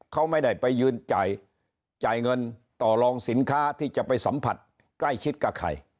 เขาไม่ได้ไปยืนจ่ายเงินต่อรองสินค้าที่จะไปสัมผัสใกล้ชิดกับใคร